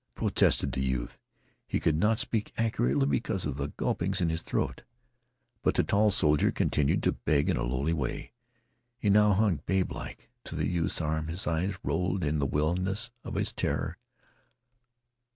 protested the youth. He could not speak accurately because of the gulpings in his throat. But the tall soldier continued to beg in a lowly way. He now hung babelike to the youth's arm. His eyes rolled in the wildness of his terror.